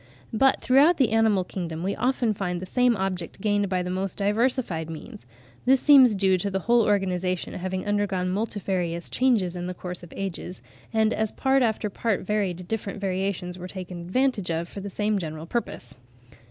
But throughout the animal kingdom we often find the same object gained by the most diversified means; this seems due to the whole organisation having undergone multifarious changes in the course of ages, and as part after part varied different variations were taken advantage of for the same general purpose.